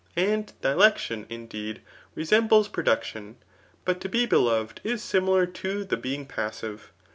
And dilecdon, indeed, resem ble production; but to be beloved is similar to the being passive.